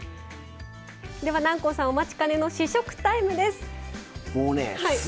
南光さん、お待ちかねの試食タイムです。